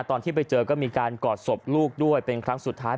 ตอนที่ไปเจอก็มีการกอดศพลูกด้วยเป็นครั้งสุดท้าย